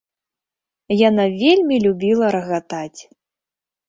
Яна вельмі любіла рагатаць.